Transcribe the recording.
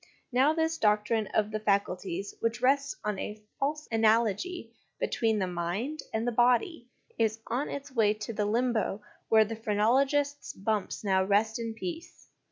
Now this doctrine of the faculties, which rests on a false analogy between the mind and the body, is on its way to the limbo where the phrenolo gist's ' bumps ' now rest in peace.